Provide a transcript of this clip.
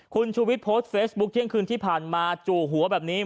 คุณชูวิทย์โพสต์เฟซบุ๊คเที่ยงคืนที่ผ่านมาจู่หัวแบบนี้